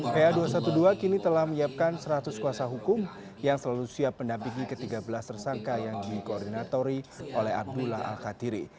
pa dua ratus dua belas kini telah menyiapkan seratus kuasa hukum yang selalu siap mendampingi ke tiga belas tersangka yang dikoordinatori oleh abdullah al katiri